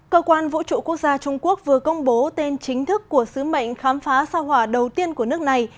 cơ quan vũ trụ quốc gia trung quốc vừa công bố tên chính thức của sứ mệnh khám phá sao hỏa đầu tiên của nước này